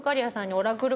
オラクル？